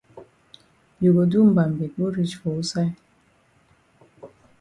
You go do mbambe go reach for wusaid?